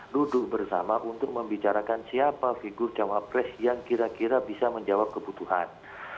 duduk bersama untuk membicarakan siapa figur cawapres yang kira kira bisa menjawab kebutuhan